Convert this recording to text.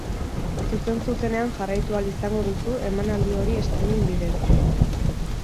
Zuzen-zuzenean jarraitu ahal izango duzu emanaldi hori steraming bidez.